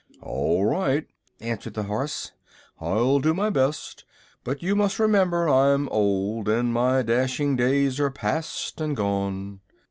"All right," answered the horse; "I'll do my best. But you must remember I'm old, and my dashing days are past and gone."